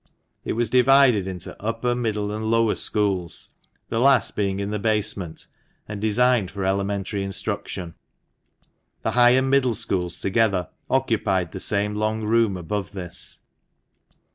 It was divided into upper, middle, and lower schools, the last being in the basement, and designed for elementary 64 THE MANCHESTER MAN. instruction. The high and middle schools together occupied the same long room above this.